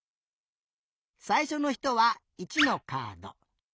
さいしょのひとは１のカード。